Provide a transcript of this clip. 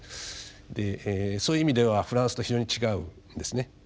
でそういう意味ではフランスと非常に違うんですね。